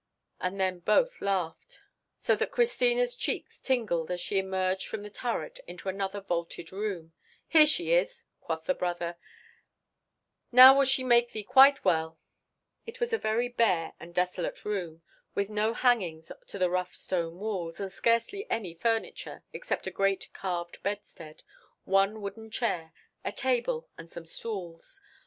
And then both laughed, so that Christina's cheeks tingled as she emerged from the turret into another vaulted room. "Here she is," quoth the brother; "now will she make thee quite well." It was a very bare and desolate room, with no hangings to the rough stone walls, and scarcely any furniture, except a great carved bedstead, one wooden chair, a table, and some stools.